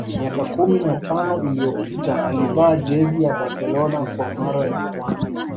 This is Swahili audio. Miaka kumi na tano iliyopita alivaa jezi ya Barcelona kwa mara ya kwanza